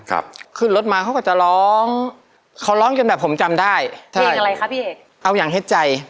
ครับขึ้นรถมาเขาก็จะร้องเขาร้องจนแบบผมจำได้เพลงอะไรคะพี่เอกเอาอย่างเฮ็ดใจ